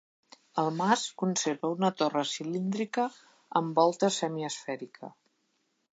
El mas conserva una torre cilíndrica amb volta semiesfèrica.